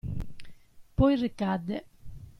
Poi ricadde.